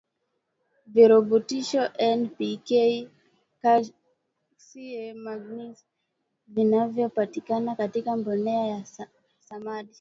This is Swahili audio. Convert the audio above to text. virutubisho N P K Ca Mgs vinavyopatikana katika mbolea ya samadi